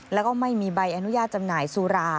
แล้วก็ไม่มีใบอนุญาตจำหน่ายสุรา